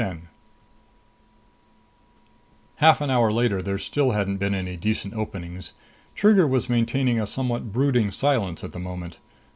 10 Half an hour later there still hadn't been any decent openings. Trigger was maintaining a somewhat brooding silence at the moment.